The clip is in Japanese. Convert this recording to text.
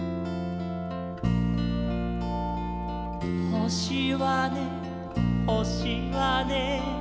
「ほしはねほしはね」